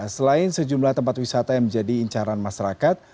selain sejumlah tempat wisata yang menjadi incaran masyarakat